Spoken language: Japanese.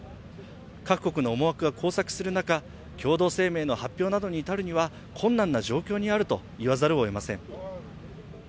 各国の思惑が交錯する中共同声明の発表などに至るには困難な状況にあると言わざるをえません。